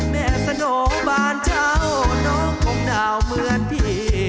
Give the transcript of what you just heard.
แม่สโนบ้านเช่าน้องคงหนาวเหมือนพี่